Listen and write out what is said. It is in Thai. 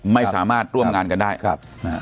ไม่สามารถร่วมงานกันได้ครับ